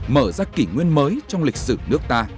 mở ra kỷ nguyên mới trong lịch sử nước ta